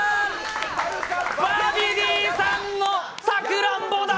バビディさんの「さくらんぼ」だ！